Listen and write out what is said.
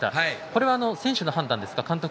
これは選手の判断ですか？